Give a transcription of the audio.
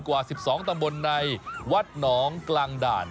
กว่า๑๒ตำบลในวัดหนองกลางด่าน